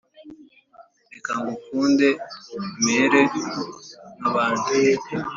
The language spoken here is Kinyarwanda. Reka ngukunde mere nkabandi